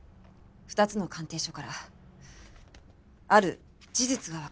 ２つの鑑定書からある事実がわかりました。